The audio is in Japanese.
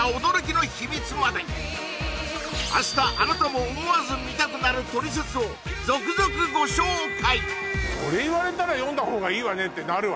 明日あなたも思わず見たくなるトリセツを続々ご紹介